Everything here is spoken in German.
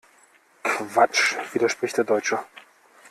Quatsch!, widerspricht der Deutsche.